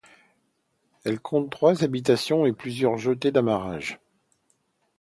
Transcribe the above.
Elle compte trois habitations et plusieurs jetées d’amarrage.